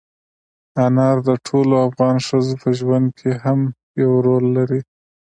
انار د ټولو افغان ښځو په ژوند کې هم یو رول لري.